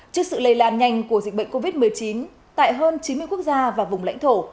trước sự lây lan nhanh của dịch bệnh covid một mươi chín tại hơn chín mươi quốc gia và vùng lãnh thổ